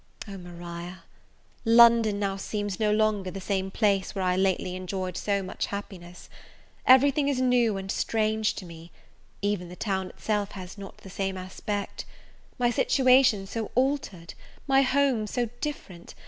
O, Maria! London now seems no longer the same place where I lately enjoyed so much happiness; every thing is new and strange to me; even the town itself has not the same aspect. My situation so altered! my home so different!